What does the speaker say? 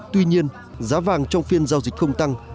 tuy nhiên giá vàng trong phiên giao dịch không tăng